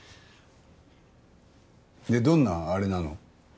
でどんなあれなの？